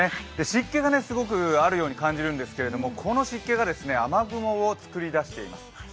湿気がすごくあるように感じるんですけれども、この湿気が雨雲を作り出しています。